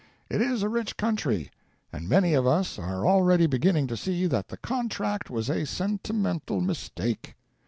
It is a rich country, and many of us are already beginning to see that the contract was a sentimental mistake.